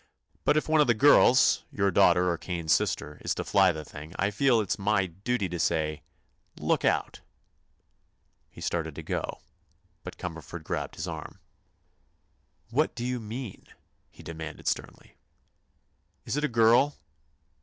But if one of those girls—your daughter or Kane's sister, is to fly the thing, I feel it my—er—duty to say: look out!" He started to go, but Cumberford grabbed his arm. "What do you mean?" he demanded sternly. "Is it a girl?"